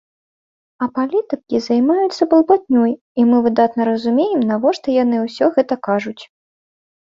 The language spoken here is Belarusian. А палітыкі займаюцца балбатнёй, і мы выдатна разумеем, навошта яны ўсё гэта кажуць.